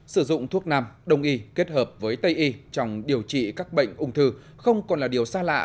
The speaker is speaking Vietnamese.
sử dụng thuốc nam đồng y kết hợp với tây y trong điều trị các bệnh ung thư không còn là điều xa lạ